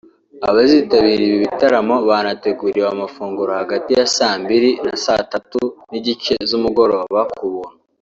Abazitabira ibi bitaramo banateguriwe amafunguro hagati ya saa mbiri na saa tatu n’igice z’umugoroba ku buntu